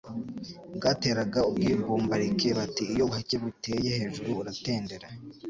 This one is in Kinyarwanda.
Bwateraga ubwibombarike. Bati: iyo ubuhake buteye hejuru uratendera .